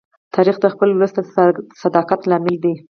تاریخ د خپل ولس د صداقت لامل دی.